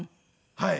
はい。